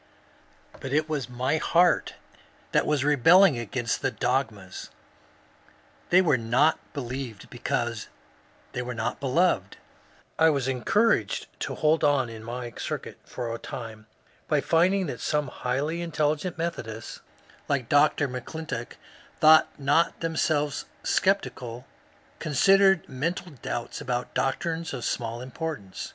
But it was my heart that was rebelling against the dogmas. They were not believed because they were not beloved. I was encouraged to hold on in my circuit for a time by finding that some highly intellectual Methodists like Dr. M'Clintock, though not themselves sceptical, considered mental doubts about doctrines of small importance.